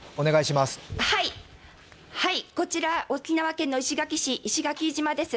こちら沖縄県の石垣島です。